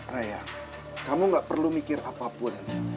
raya kamu gak perlu mikir apapun